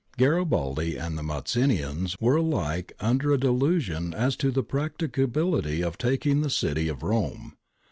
Garibaldi and the Mazzinians were alike under a delusion as to the practicability of taking the city of Rome.